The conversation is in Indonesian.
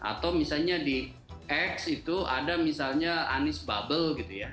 atau misalnya di x itu ada misalnya anies bubble gitu ya